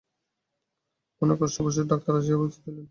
অনেক কষ্টে অবশেষে ডাক্তার আসিয়া উপস্থিত হইলেন।